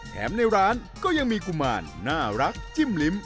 ในร้านก็ยังมีกุมารน่ารักจิ้มลิ้ม